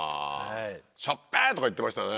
しょっぺ！とか言ってましたね。